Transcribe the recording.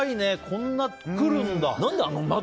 こんなに来るんだ。